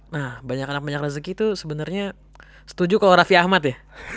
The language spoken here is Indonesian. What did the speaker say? nah banyak anak banyak rezeki itu sebenarnya setuju kalau raffi ahmad ya